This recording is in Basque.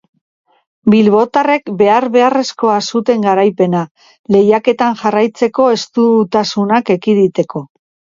Bilbotarrek behar-beharrezkoa zuten garaipena, lehiaketan jarraitzeko estutasunak ekiditeko.